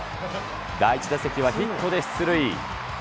第１打席はヒットで出塁。